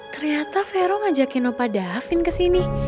ternyata verong ajak opa davin ke sini